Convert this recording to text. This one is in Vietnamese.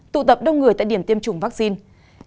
tụ tập đông người tại điểm tiêm chủng vaccine